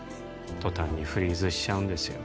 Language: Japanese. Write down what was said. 途端にフリーズしちゃうんですよ